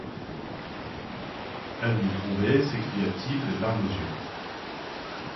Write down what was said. Ele me drombait... s’écria-t-il les larmes aux yeux.